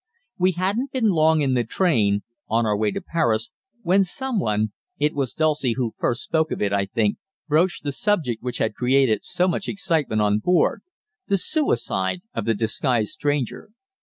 We had not been long in the train, on our way to Paris, when someone it was Dulcie who first spoke of it, I think broached the subject which had created so much excitement on board the suicide of the disguised stranger.